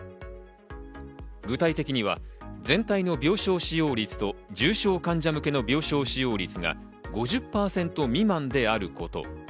具体的には全体の病床使用率と重症患者向けの病床使用率が５０％未満であること。